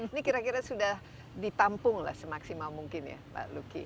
ini kira kira sudah ditampung lah semaksimal mungkin ya pak lucky